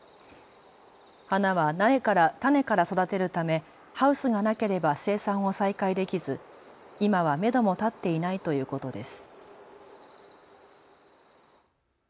花は種から育てるためハウスがなければ生産を再開できず今はめども立っていないということです。